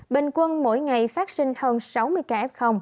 bình quân mỗi ngày phát sinh hơn sáu mươi ca f